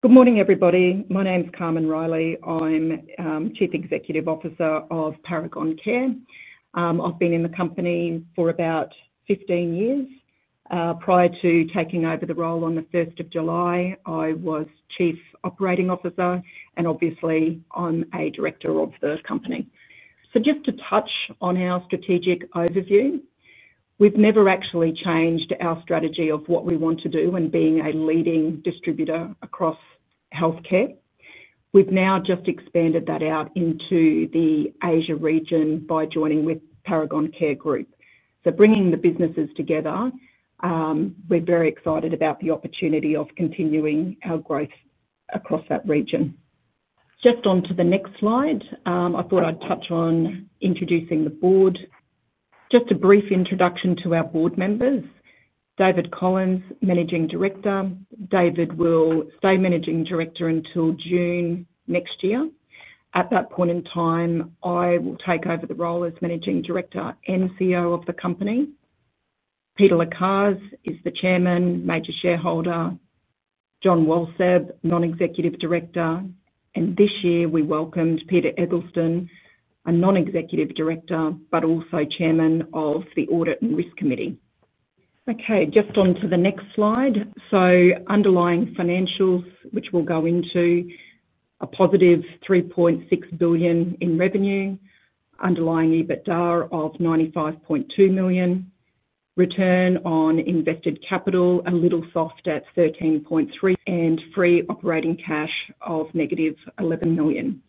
Good morning, everybody. My name's Carmen Riley. I'm Chief Executive Officer of ParagonCare. I've been in the company for about 15 years. Prior to taking over the role on the 1st of July, I was Chief Operating Officer and obviously I'm a Director of the company. Just to touch on our strategic overview, we've never actually changed our strategy of what we want to do in being a leading distributor across healthcare. We've now just expanded that out into the Asia region by joining with Paragon Care Group. Bringing the businesses together, we're very excited about the opportunity of continuing our growth across that region. Just on to the next slide, I thought I'd touch on introducing the board. Just a brief introduction to our board members: David Collins, Managing Director. David will stay Managing Director until June next year. At that point in time, I will take over the role as Managing Director and CEO of the company. Peter Lacaze is the Chairman, Major Shareholder. John Walstab, Non-Executive Director. This year we welcomed Peter Eggleston, a Non-Executive Director but also Chairman of the Audit and Risk Committee. OK, just on to the next slide. Underlying financials, which will go into a +$3.6 billion in revenue, underlying EBITDA of $95.2 million, return on invested capital a little soft at 13.3%, and free operating cash of -$11 million.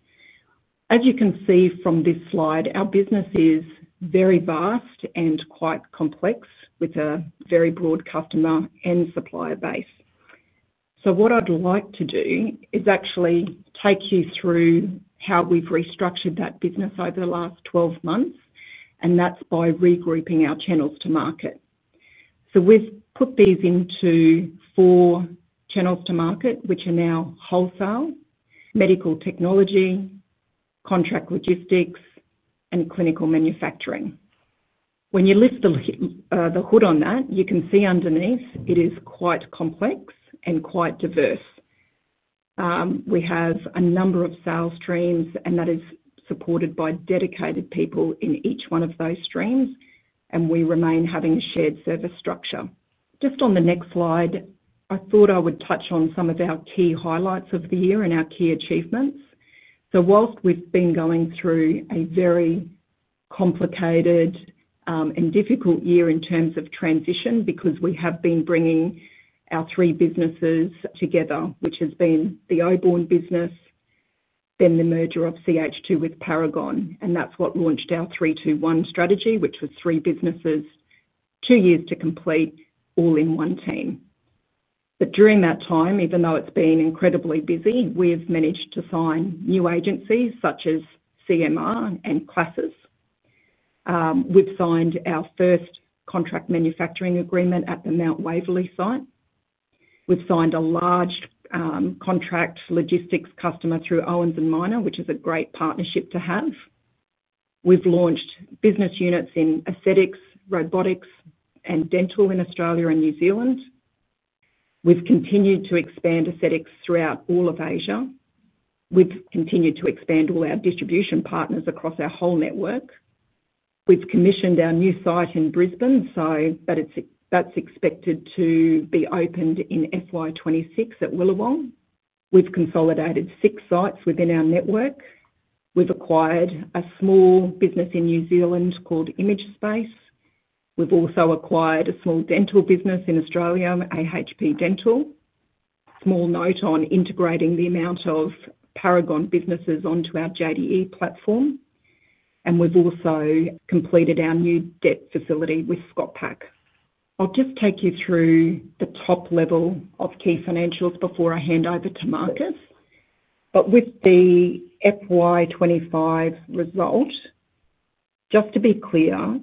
As you can see from this slide, our business is very vast and quite complex with a very broad customer and supplier base. What I'd like to do is actually take you through how we've restructured that business over the last 12 months, and that's by regrouping our channels to market. We've put these into four channels to market, which are now Wholesale, Medical Technology, Contract Logistics, and Clinical Manufacturing. When you lift the hood on that, you can see underneath it is quite complex and quite diverse. We have a number of sales streams, and that is supported by dedicated people in each one of those streams, and we remain having a shared service structure. Just on the next slide, I thought I would touch on some of our key highlights of the year and our key achievements. Whilst we've been going through a very complicated and difficult year in terms of transition because we have been bringing our three businesses together, which has been the Oborne Health Supplies business, then the merger of CH2 with ParagonCare, that's what launched our 3-2-1 strategy, which was three businesses, two years to complete, all in one team. During that time, even though it's been incredibly busy, we've managed to sign new agencies such as CMR Surgical and CLASSYS. We've signed our first contract manufacturing agreement at the Mount Waverley site. We've signed a large Contract Logistics customer through Owens & Minor, which is a great partnership to have. We've launched business units in Aesthetics, Robotics, and Dental in Australia and New Zealand. We've continued to expand Aesthetics throughout all of Asia. We've continued to expand all our distribution partners across our whole network. We've commissioned our new site in Brisbane, so that's expected to be opened in FY 2026 at Willawong. We've consolidated six sites within our network. We've acquired a small business in New Zealand called Image Space. We've also acquired a small dental business in Australia, AHP Dental. A small note on integrating the amount of ParagonCare businesses onto our JDE platform. We've also completed our new debt facility with ScotPac. I'll just take you through the top level of key financials before I hand over to Marcus. With the FY 2025 result, just to be clear,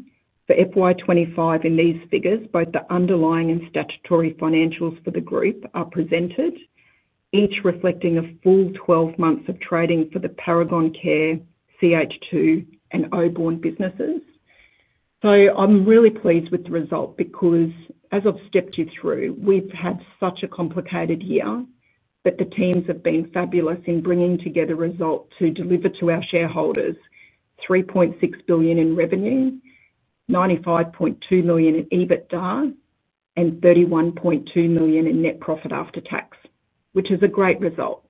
for FY 2025 in these figures, both the underlying and statutory financials for the group are presented, each reflecting a full 12 months of trading for ParagonCare, CH2, and Oborne businesses. I'm really pleased with the result because, as I've stepped you through, we've had such a complicated year, but the teams have been fabulous in bringing together a result to deliver to our shareholders: $3.6 billion in revenue, $95.2 million in EBITDA, and $31.2 million in net profit after tax, which is a great result.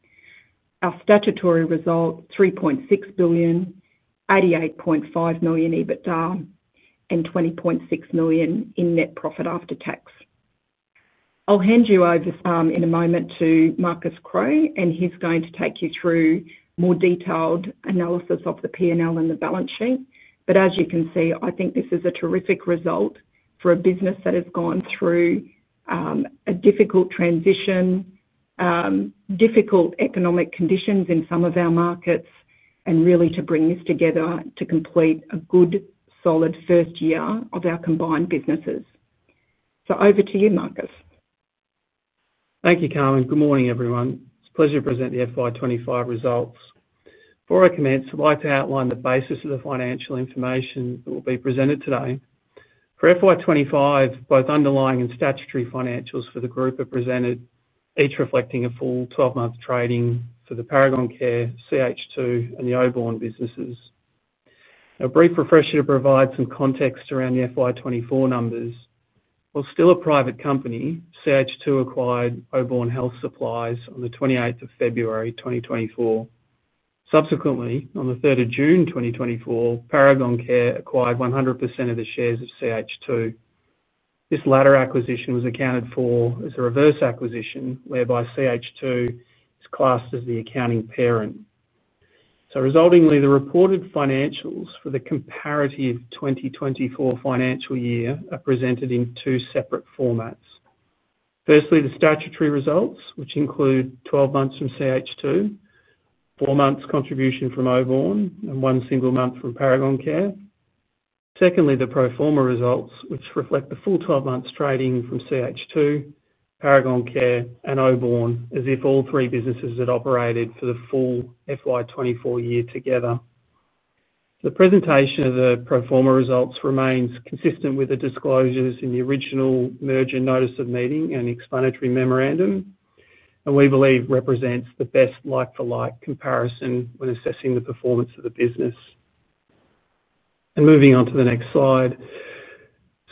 Our statutory result: $3.6 billion, $88.5 million EBITDA, and $20.6 million in net profit after tax. I'll hand you over in a moment to Marcus Crowe and he's going to take you through more detailed analysis of the P&L and the balance sheet. As you can see, I think this is a terrific result for a business that has gone through a difficult transition, difficult economic conditions in some of our markets, and really to bring this together to complete a good, solid first year of our combined businesses. Over to you, Marcus. Thank you, Carmen. Good morning, everyone. It's a pleasure to present the FY 2025 results. Before I commence, I'd like to outline the basis of the financial information that will be presented today. For FY 2025, both underlying and statutory financials for the group are presented, each reflecting a full 12-month trading for ParagonCare, CH2, and the Oborne businesses. A brief refresher to provide some context around the FY 2024 numbers. While still a private company, CH2 acquired Oborne Health Supplies on the 28th of February 2024. Subsequently, on the 3rd of June 2024, ParagonCare acquired 100% of the shares of CH2. This latter acquisition was accounted for as a reverse acquisition whereby CH2 is classed as the accounting parent. Resultingly, the reported financials for the comparative 2024 financial year are presented in two separate formats. Firstly, the statutory results, which include 12 months from CH2, four months contribution from Oborne, and one single month from ParagonCare. Secondly, the proforma results, which reflect the full 12 months trading from CH2, ParagonCare, and Oborne, as if all three businesses had operated for the full FY 2024 year together. The presentation of the proforma results remains consistent with the disclosures in the original merger notice of meeting and explanatory memorandum, and we believe represents the best like-for-like comparison when assessing the performance of the business. Moving on to the next slide.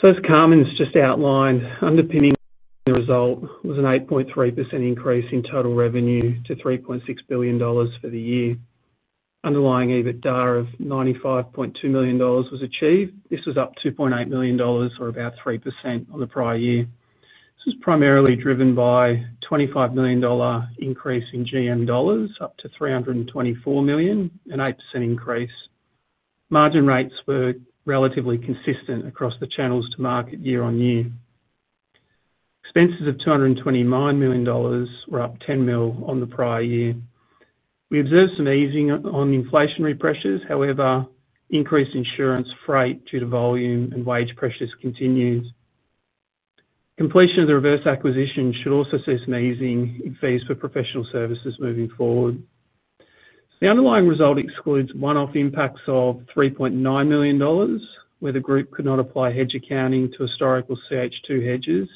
As Carmen's just outlined, underpinning the result was an 8.3% increase in total revenue to $3.6 billion for the year. Underlying EBITDA of $95.2 million was achieved. This was up $2.8 million, or about 3% on the prior year. This was primarily driven by a $25 million increase in GM dollars, up to $324 million, an 8% increase. Margin rates were relatively consistent across the channels to market year on year. Expenses of $229 million were up $10 million on the prior year. We observed some easing on inflationary pressures, however, increased insurance freight due to volume and wage pressures continues. Completion of the reverse acquisition should also see some easing in fees for professional services moving forward. The underlying result excludes one-off impacts of $3.9 million, where the group could not apply hedge accounting to historical CH2 hedges,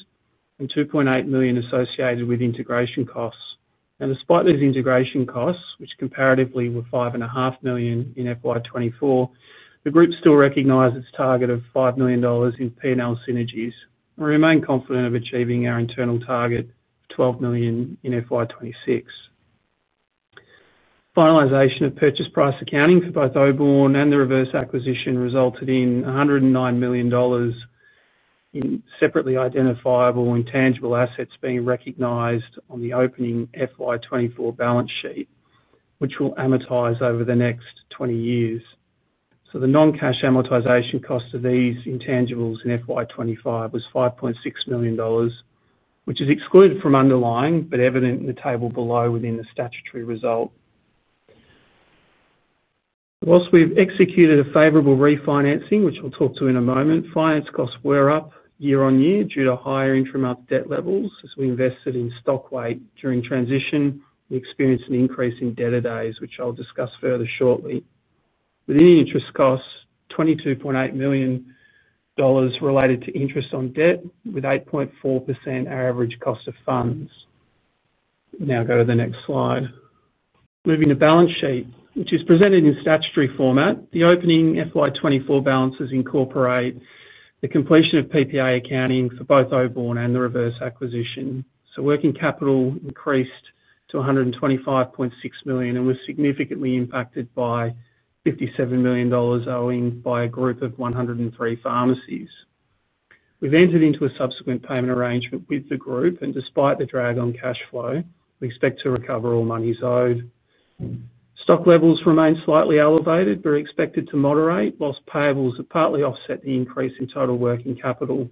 and $2.8 million associated with integration costs. Despite those integration costs, which comparatively were $5.5 million in FY 2024, the group still recognized its target of $5 million in P&L synergies and remained confident of achieving our internal target of $12 million in FY 2026. Finalization of purchase price accounting for both Oborne and the reverse acquisition resulted in $109 million in separately identifiable intangible assets being recognized on the opening FY 2024 balance sheet, which will amortize over the next 20 years. The non-cash amortization cost of these intangibles in FY 2025 was $5.6 million, which is excluded from underlying but evident in the table below within the statutory result. Whilst we've executed a favorable refinancing, which I'll talk to in a moment, finance costs were up year on year due to higher intramonth debt levels. As we invested in stock weight during transition, we experienced an increase in debtor days, which I'll discuss further shortly. Within interest costs, $22.8 million related to interest on debt, with 8.4% our average cost of funds. Now go to the next slide. Moving to balance sheet, which is presented in statutory format, the opening FY 2024 balances incorporate the completion of PPA accounting for both Oborne and the reverse acquisition. Working capital increased to $125.6 million and was significantly impacted by $57 million owing by a group of 103 pharmacies. We've entered into a subsequent payment arrangement with the group, and despite the drag on cash flow, we expect to recover all monies owed. Stock levels remain slightly elevated but are expected to moderate, whilst payables have partly offset the increase in total working capital.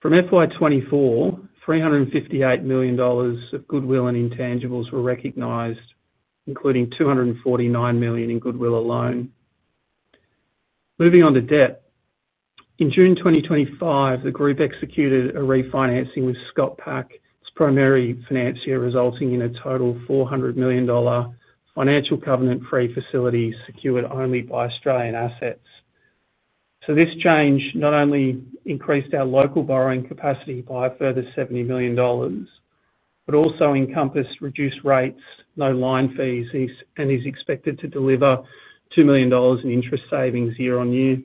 From FY 2024, $358 million of goodwill and intangibles were recognized, including $249 million in goodwill alone. Moving on to debt. In June 2025, the group executed a refinancing with ScotPac, its primary financier, resulting in a total $400 million financial covenant-free facility secured only by Australian assets. This change not only increased our local borrowing capacity by a further $70 million, but also encompassed reduced rates, no line fees, and is expected to deliver $2 million in interest savings year-on-year.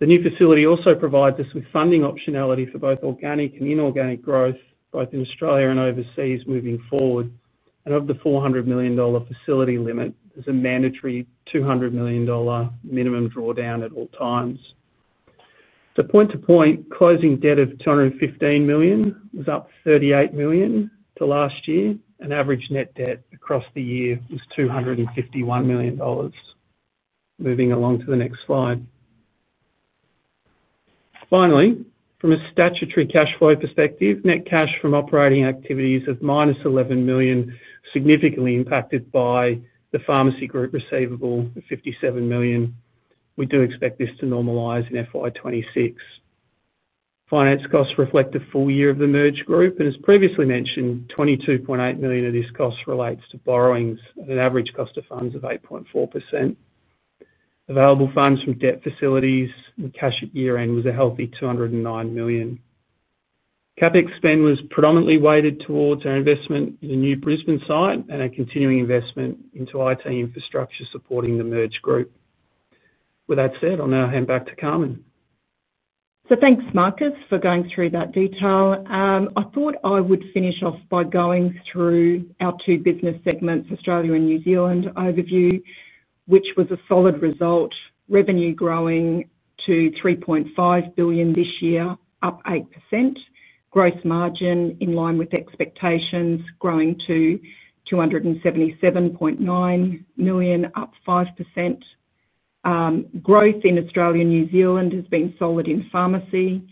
The new facility also provides us with funding optionality for both organic and inorganic growth, both in Australia and overseas moving forward. Of the $400 million facility limit, there's a mandatory $200 million minimum drawdown at all times. The point-to-point closing debt of $215 million was up $38 million to last year, and average net debt across the year was $251 million. Moving along to the next slide. Finally, from a statutory cash flow perspective, net cash from operating activities of -$11 million is significantly impacted by the pharmacy group receivable of $57 million. We do expect this to normalize in FY 2026. Finance costs reflect a full year of the merged group, and as previously mentioned, $22.8 million of this cost relates to borrowings and an average cost of funds of 8.4%. Available funds from debt facilities and cash at year-end was a healthy $209 million. CapEx spend was predominantly weighted towards our investment in the new Brisbane site and our continuing investment into IT infrastructure supporting the merged group. With that said, I'll now hand back to Carmen. Thanks, Marcus, for going through that detail. I thought I would finish off by going through our two business segments, Australia and New Zealand, overview, which was a solid result. Revenue growing to $3.5 billion this year, up 8%. Gross margin in line with expectations, growing to $277.9 million, up 5%. Growth in Australia and New Zealand has been solid in pharmacy,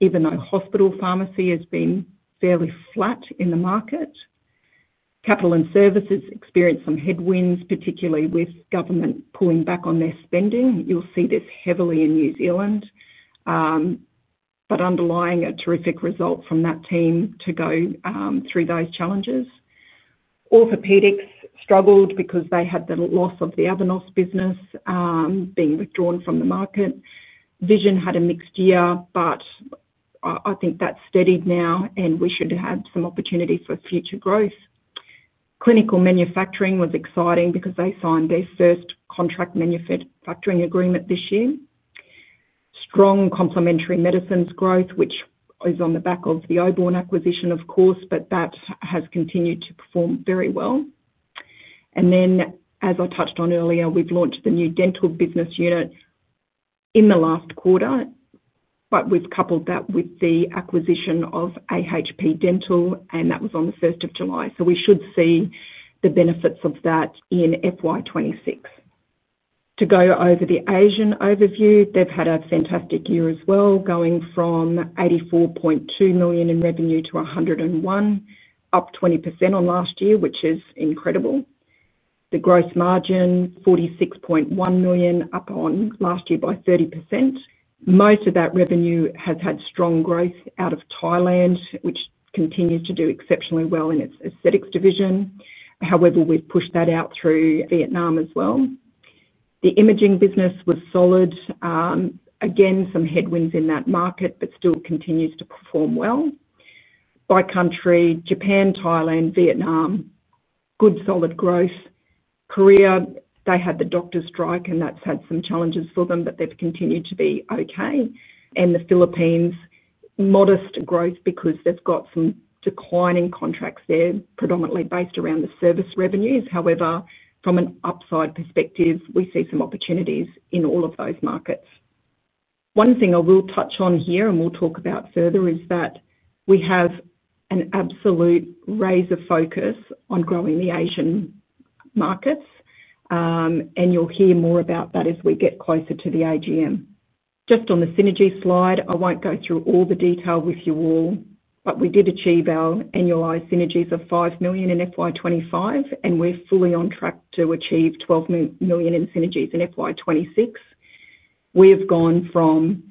even though hospital pharmacy has been fairly flat in the market. Capital and services experienced some headwinds, particularly with government pulling back on their spending. You'll see this heavily in New Zealand. Underlying a terrific result from that team to go through those challenges. Orthopaedics struggled because they had the loss of the Avanos business being withdrawn from the market. Vision had a mixed year, but I think that's steadied now, and we should have some opportunity for future growth. Clinical Manufacturing was exciting because they signed their first contract manufacturing agreement this year. Strong Complementary Medicines growth, which is on the back of the Oborne acquisition, of course, but that has continued to perform very well. As I touched on earlier, we've launched the new dental business unit in the last quarter, but we've coupled that with the acquisition of AHP Dental, and that was on 1st of July. We should see the benefits of that in FY 2026. To go over the Asia overview, they've had a fantastic year as well, going from $84.2 million in revenue to $101 million, up 20% on last year, which is incredible. The gross margin, $46.1 million, up on last year by 30%. Most of that revenue has had strong growth out of Thailand, which continues to do exceptionally well in its Aesthetics division. We've pushed that out through Vietnam as well. The imaging business was solid. Again, some headwinds in that market, but still continues to perform well. By country, Japan, Thailand, Vietnam, good solid growth. Korea, they had the doctor's strike, and that's had some challenges for them, but they've continued to be OK. The Philippines, modest growth because they've got some declining contracts there, predominantly based around the service revenues. From an upside perspective, we see some opportunities in all of those markets. One thing I will touch on here and we'll talk about further is that we have an absolute razor focus on growing the Asian markets. You'll hear more about that as we get closer to the AGM. Just on the synergy slide, I won't go through all the detail with you all, but we did achieve our annualized synergies of $5 million in FY 2025, and we're fully on track to achieve $12 million in synergies in FY 2026. We have gone from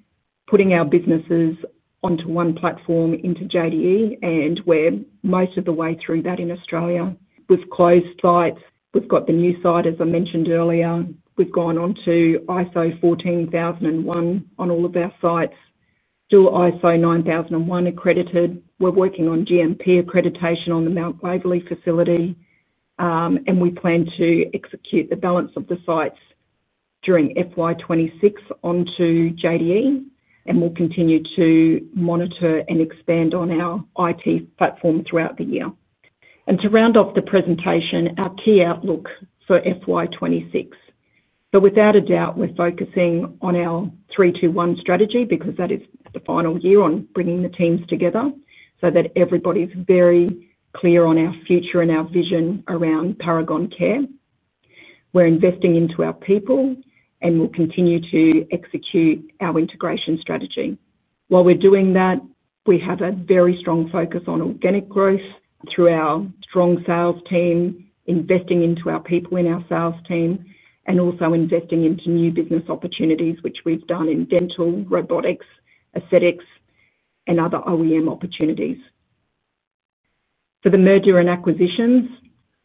putting our businesses onto one platform into JDE, and we're most of the way through that in Australia. We've closed sites. We've got the new site, as I mentioned earlier. We've gone on to ISO 14001 on all of our sites. Still ISO 9001 accredited. We're working on GMP accreditation on the Mt Waverly facility. We plan to execute the balance of the sites during FY 2026 onto JDE, and we'll continue to monitor and expand on our IT platform throughout the year. To round off the presentation, our key outlook for FY 2026. Without a doubt, we're focusing on our 3-2-1 strategy because that is the final year on bringing the teams together so that everybody's very clear on our future and our vision around ParagonCare. We're investing into our people, and we'll continue to execute our integration strategy. While we're doing that, we have a very strong focus on organic growth through our strong sales team, investing into our people in our sales team, and also investing into new business opportunities, which we've done in Dental, Robotics, Aesthetics, and other OEM opportunities. For the mergers and acquisitions,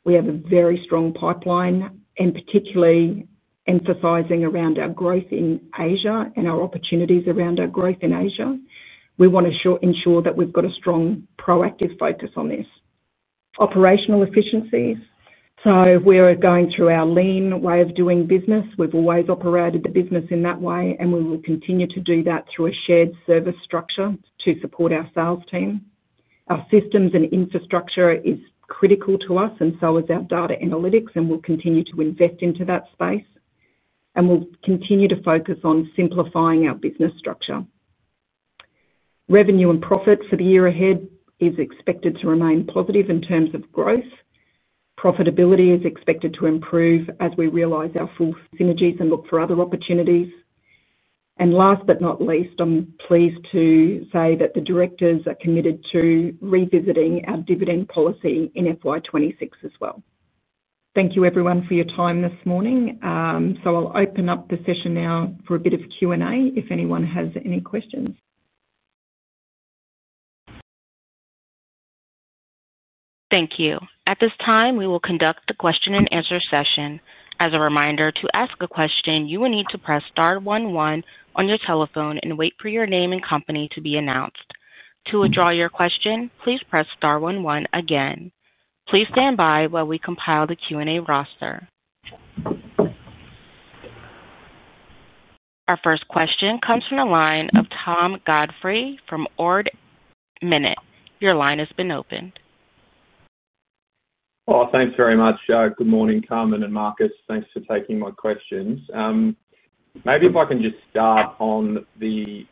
we have a very strong pipeline, and particularly emphasizing around our growth in Asia and our opportunities around our growth in Asia. We want to ensure that we've got a strong proactive focus on this. Operational efficiencies. We're going through our lean way of doing business. We've always operated the business in that way, and we will continue to do that through a shared service structure to support our sales team. Our systems and infrastructure are critical to us, and so is our data analytics, and we'll continue to invest into that space. We'll continue to focus on simplifying our business structure. Revenue and profit for the year ahead is expected to remain positive in terms of growth. Profitability is expected to improve as we realize our full synergies and look for other opportunities. Last but not least, I'm pleased to say that the directors are committed to revisiting our dividend policy in FY 2026 as well. Thank you, everyone, for your time this morning. I'll open up the session now for a bit of Q&A if anyone has any questions. Thank you. At this time, we will conduct the question and answer session. As a reminder, to ask a question, you will need to press star one one on your telephone and wait for your name and company to be announced. To withdraw your question, please press star one one again. Please stand by while we compile the Q&A roster. Our first question comes from the line of Tom Godfrey from Ord Minnett. Your line has been opened. Oh, thanks very much. Good morning, Carmen and Marcus. Thanks for taking my questions. Maybe if I can just start on the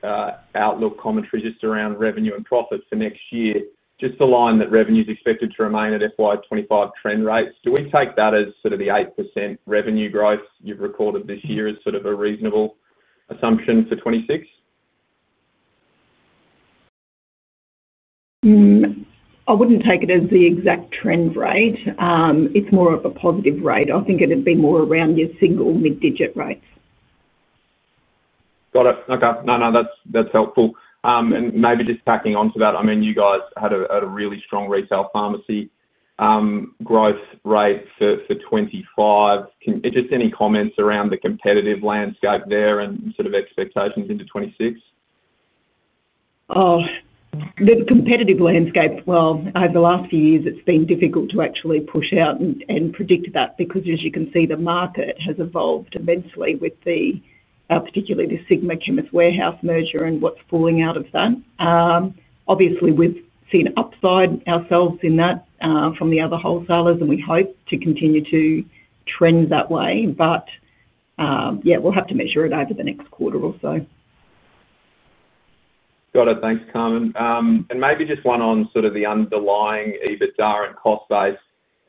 outlook commentary just around revenue and profit for next year, just the line that revenue is expected to remain at FY 2025 trend rates. Do we take that as sort of the 8% revenue growth you've recorded this year as sort of a reasonable assumption for 2026? I wouldn't take it as the exact trend rate. It's more of a positive rate. I think it'd be more around your single mid-digit rates. Got it. No, that's helpful. Maybe just tacking on to that, I mean, you guys had a really strong retail pharmacy growth rate for FY 2025. Just any comments around the competitive landscape there and sort of expectations into FY 2026? Oh, the competitive landscape, over the last few years, it's been difficult to actually push out and predict that because, as you can see, the market has evolved immensely with particularly the Sigma Chemist Warehouse merger and what's falling out of that. Obviously, we've seen upside ourselves in that from the other wholesalers, and we hope to continue to trend that way. We'll have to measure it over the next quarter or so. Got it. Thanks, Carmen. Maybe just one on sort of the underlying EBITDA and cost base.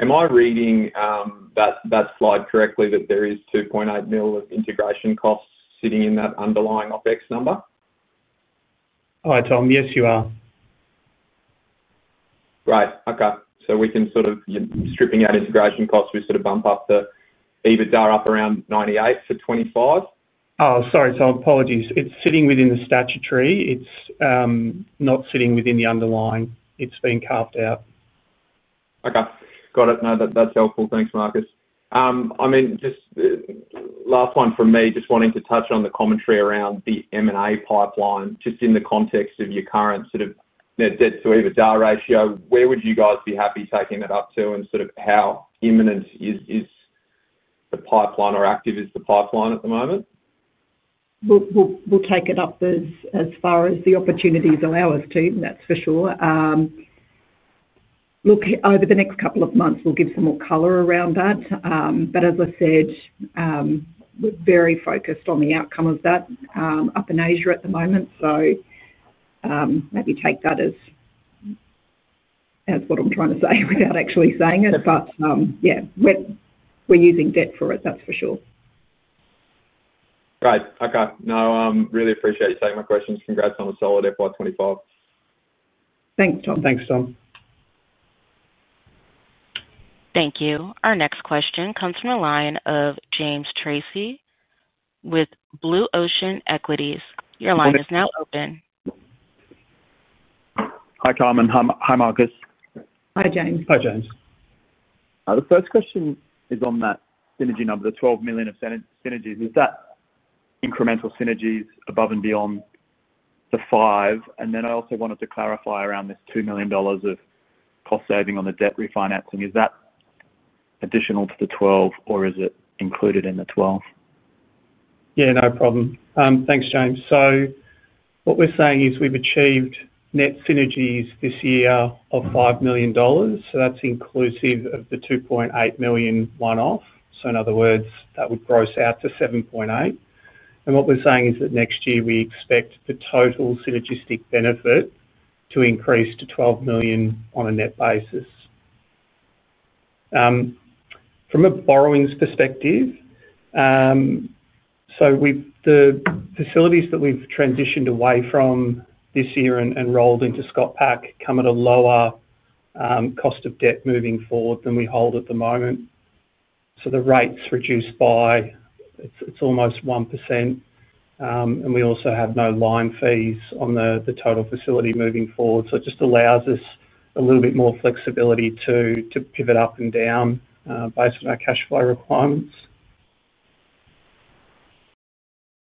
Am I reading that slide correctly that there is $2.8 million of integration costs sitting in that underlying OpEx number? Hi, Tom. Yes, you are. Great. Okay. Stripping out integration costs, we sort of bump up the EBITDA up around $98 million for 2025. Oh, sorry, Tom. Apologies. It's sitting within the statutory. It's not sitting within the underlying. It's been carved out. Okay. Got it. No, that's helpful. Thanks, Marcus. I mean, just last one from me, just wanting to touch on the commentary around the M&A pipeline, just in the context of your current sort of debt-to-EBITDA ratio. Where would you guys be happy taking that up to and sort of how imminent is the pipeline or active is the pipeline at the moment? We'll take it up as far as the opportunities allow us to, that's for sure. Over the next couple of months, we'll give some more color around that. As I said, we're very focused on the outcome of that up in Asia at the moment. Maybe take that as what I'm trying to say without actually saying it. Yeah, we're using debt for it, that's for sure. Great. Okay. No, I really appreciate you taking my questions. Congrats on a solid FY 2025. Thanks, Tom. Thanks, Tom. Thank you. Our next question comes from a line of James Tracey with Blue Ocean Equities. Your line is now open. Hi, Carmen. Hi, Marcus. Hi, James. Hi, James. The first question is on that synergy number, the $12 million of synergies. Is that incremental synergies above and beyond the $5 million? I also wanted to clarify around this $2 million of cost saving on the debt refinancing. Is that additional to the $12 million, or is it included in the $12 million? Yeah, no problem. Thanks, James. What we're saying is we've achieved net synergies this year of $5 million. That's inclusive of the $2.8 million one-off. In other words, that would gross out to $7.8 million. What we're saying is that next year we expect the total synergistic benefit to increase to $12 million on a net basis. From a borrowings perspective, the facilities that we've transitioned away from this year and rolled into ScotPac come at a lower cost of debt moving forward than we hold at the moment. The rate's reduced by almost 1%. We also have no line fees on the total facility moving forward. It just allows us a little bit more flexibility to pivot up and down based on our cash flow requirements.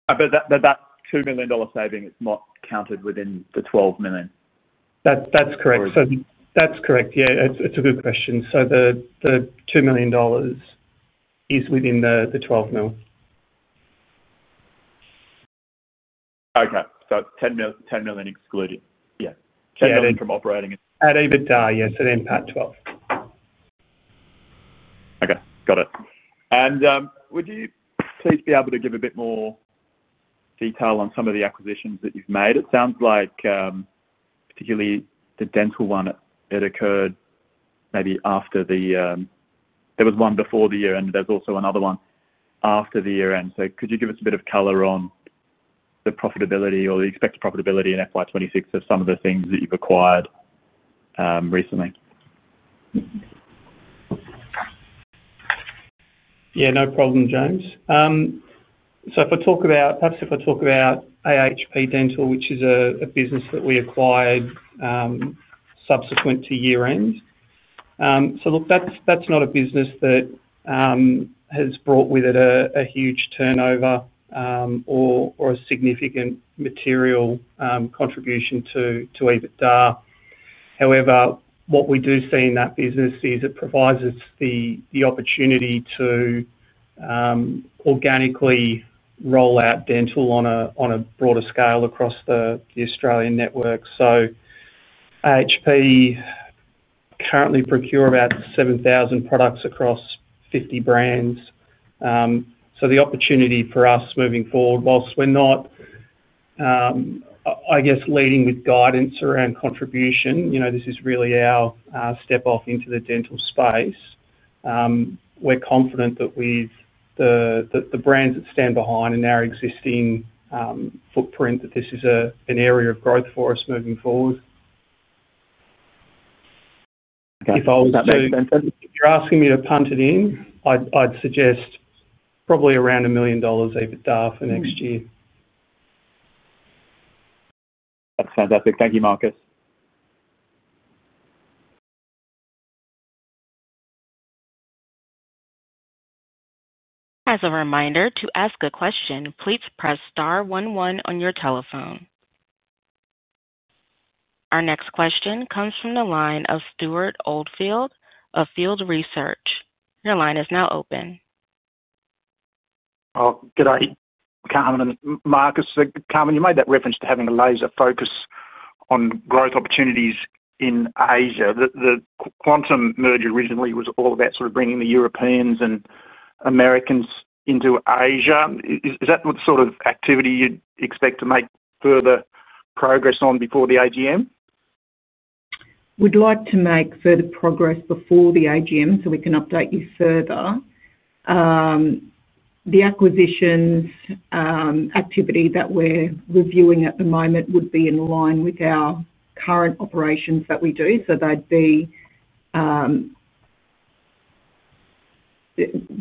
That $2 million saving is not counted within the $12 million. That's correct. Yeah, it's a good question. The $2 million is within the $12 million. Okay, $10 million excluded. Yeah, $10 million from operating. At EBITDA, yeah, it's at impact $12 million. Okay. Got it. Would you please be able to give a bit more detail on some of the acquisitions that you've made? It sounds like particularly the Dental one occurred maybe after the, there was one before the year-end, and there was also another one after the year-end. Could you give us a bit of color on the profitability or the expected profitability in FY 2026 of some of the things that you've acquired recently? Yeah, no problem, James. If I talk about AHP Dental, which is a business that we acquired subsequent to year-end, that's not a business that has brought with it a huge turnover or a significant material contribution to EBITDA. However, what we do see in that business is it provides us the opportunity to organically roll out Dental on a broader scale across the Australian network. AHP currently procure about 7,000 products across 50 brands. The opportunity for us moving forward, whilst we're not, I guess, leading with guidance around contribution, this is really our step off into the Dental space. We're confident that with the brands that stand behind and our existing footprint, this is an area of growth for us moving forward. Okay, that's fantastic. If you're asking me to punt it in, I'd suggest probably around $1 million EBITDA for next year. That's fantastic. Thank you, Marcus. As a reminder, to ask a question, please press star one one on your telephone. Our next question comes from the line of Stewart Oldfield of Field Research. Your line is now open. Good idea, Carmen. And Marcus, Carmen, you made that reference to having a laser focus on growth opportunities in Asia. The Quantum merger originally was all about sort of bringing the Europeans and Americans into Asia. Is that the sort of activity you'd expect to make further progress on before the AGM? We'd like to make further progress before the AGM, so we can update you further. The acquisitions activity that we're reviewing at the moment would be in line with our current operations that we do.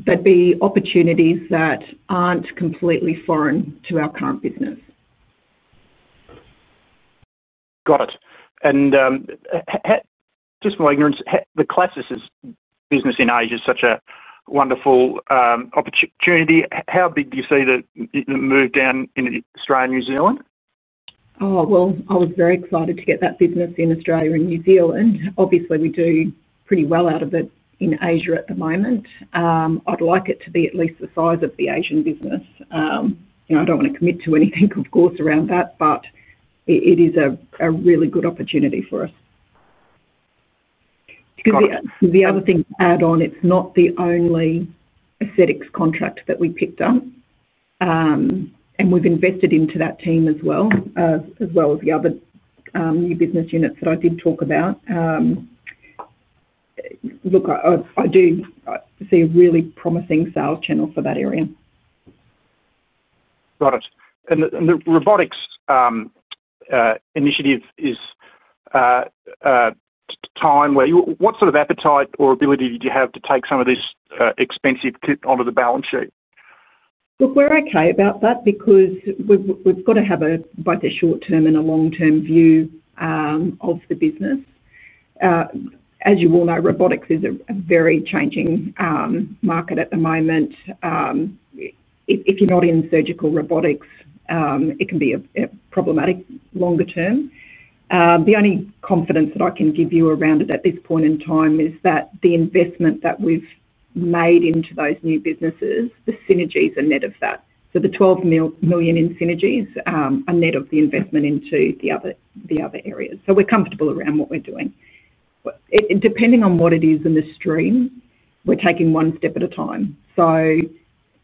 They'd be opportunities that aren't completely foreign to our current business. Got it. Just for my ignorance, the CLASSYS business in Asia is such a wonderful opportunity. How big do you see the move down in Australia and New Zealand? Oh, I was very excited to get that business in Australia and New Zealand. Obviously, we do pretty well out of it in Asia at the moment. I'd like it to be at least the size of the Asian business. I don't want to commit to anything, of course, around that, but it is a really good opportunity for us. The other thing to add on, it's not the only Aesthetics contract that we picked up. We've invested into that team as well, as well as the other new business units that I did talk about. I do see a really promising sales channel for that area. Got it. The Robotics initiative is time where you what sort of appetite or ability did you have to take some of this expensive kit onto the balance sheet? Look, we're okay about that because we've got to have both a short-term and a long-term view of the business. As you all know, Robotics is a very changing market at the moment. If you're not in Surgical Robotics, it can be problematic longer term. The only confidence that I can give you around it at this point in time is that the investment that we've made into those new businesses, the synergies are net of that. The $12 million in synergies are net of the investment into the other areas. We're comfortable around what we're doing. Depending on what it is in the stream, we're taking one step at a time.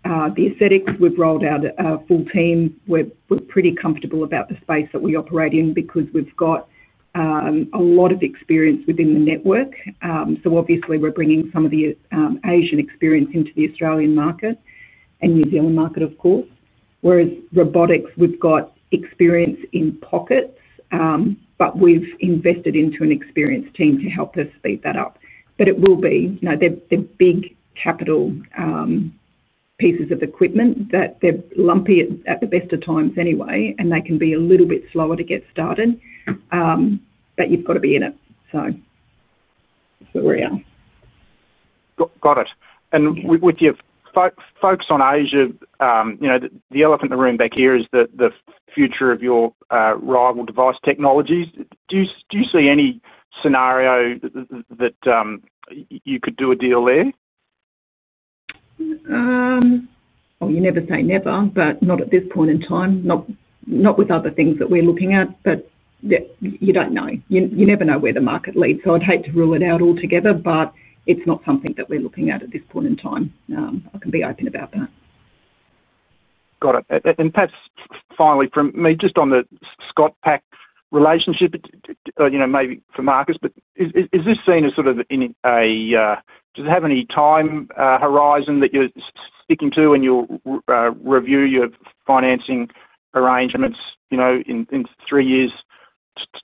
The Aesthetics, we've rolled out a full team. We're pretty comfortable about the space that we operate in because we've got a lot of experience within the network. Obviously, we're bringing some of the Asian experience into the Australian market and New Zealand market, of course. Whereas Robotics, we've got experience in pockets, but we've invested into an experienced team to help us speed that up. It will be, you know, they're big capital pieces of equipment that are lumpy at the best of times anyway, and they can be a little bit slower to get started. You've got to be in it. We're in. Got it. With your focus on Asia, you know, the elephant in the room back here is the future of your rival Device Technologies. Do you see any scenario that you could do a deal there? You never say never, but not at this point in time. Not with other things that we're looking at, but you don't know. You never know where the market leads. I'd hate to rule it out altogether, but it's not something that we're looking at at this point in time. I can be open about that. Got it. Perhaps finally, for me, just on the ScotPac relationship, maybe for Marcus, but is this seen as sort of in a, does it have any time horizon that you're speaking to in your review of financing arrangements, in three years'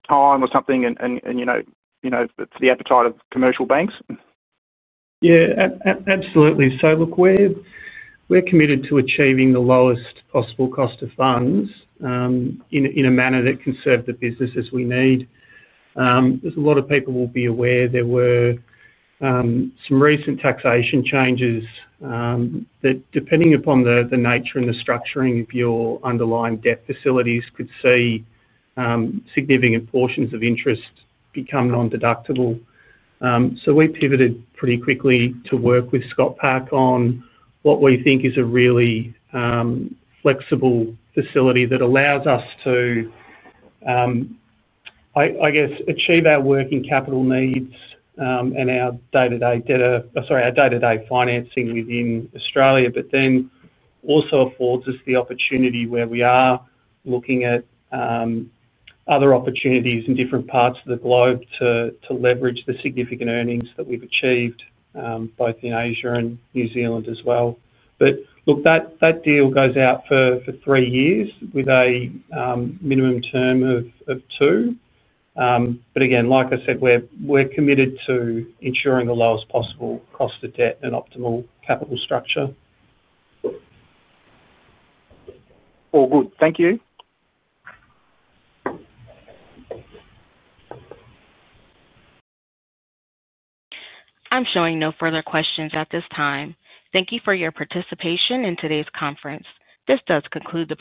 time or something, and for the appetite of commercial banks? Yeah, absolutely. Look, we're committed to achieving the lowest possible cost of funds in a manner that can serve the businesses we need. As a lot of people will be aware, there were some recent taxation changes that, depending upon the nature and the structuring of your underlying debt facilities, could see significant portions of interest become non-deductible. We pivoted pretty quickly to work with ScotPac on what we think is a really flexible facility that allows us to, I guess, achieve our working capital needs and our day-to-day debt, sorry, our day-to-day financing within Australia, but then also affords us the opportunity where we are looking at other opportunities in different parts of the globe to leverage the significant earnings that we've achieved, both in Asia and New Zealand as well. That deal goes out for three years with a minimum term of two. Again, like I said, we're committed to ensuring the lowest possible cost of debt and optimal capital structure. All good. Thank you. I'm showing no further questions at this time. Thank you for your participation in today's conference. This does conclude the.